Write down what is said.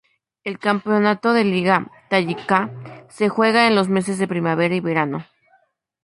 El campeonato de liga tayika se juega en los meses de primavera y verano.